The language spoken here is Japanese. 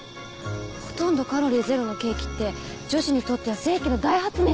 ほとんどカロリーゼロのケーキって女子にとっては世紀の大発明ですよね。